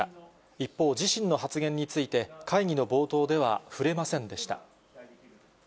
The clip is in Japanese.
一方、自身の発言について、会議の冒頭では触れませんでした。